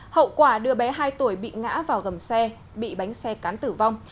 hậu quả đưa bé hai tuổi bị ngã vào gầm xe bị bánh xe cán tử vong